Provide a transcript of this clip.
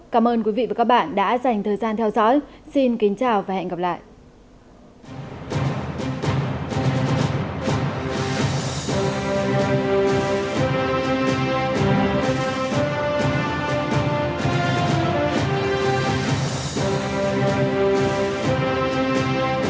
cảm ơn các bạn đã theo dõi và hẹn gặp lại